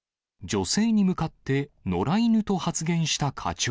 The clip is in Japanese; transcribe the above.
女性に向かって野良犬と発言した課長。